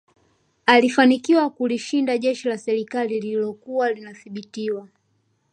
Alifanikiwa kulishinda jeshi la serikali lililokuwa linadhibitiwa